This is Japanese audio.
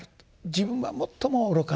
自分は最も愚かなもの。